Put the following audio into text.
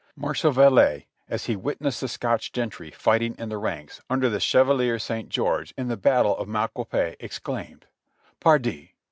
Marshall Villais, as he witnessed the Scotch gentry fighting in the ranks under the Chevalier St. George in the battle of Mal quapet, exclaimed: "Pardi!